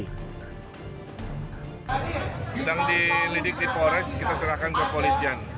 tidak dilidiki polres kita serahkan kepolisian